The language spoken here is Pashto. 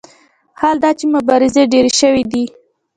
حال دا چې مبارزې ډېرې شوې دي.